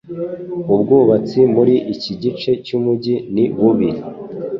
Ubwubatsi muri iki gice cyumujyi ni bubi.